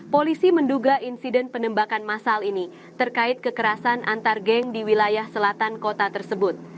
polisi menduga insiden penembakan masal ini terkait kekerasan antar geng di wilayah selatan kota tersebut